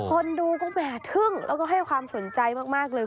คนดูก็แห่ทึ่งแล้วก็ให้ความสนใจมากเลย